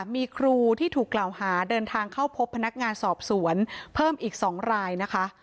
มีครูที่ถูกกล่าวหาเดินทางเข้าพบพนักงานสอบสวนเพิ่มอีก๒รายนะคะ